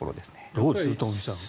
どうです、東輝さん